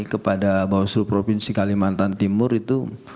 kepada bawah seluruh provinsi kalimantan timur itu